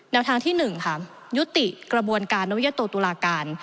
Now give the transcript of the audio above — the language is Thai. ทางที่๑ค่ะยุติกระบวนการนวิยโตตุลาการ